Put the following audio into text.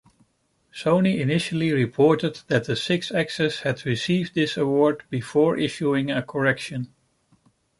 Sony initially reported that the Sixaxis had received this award before issuing a correction.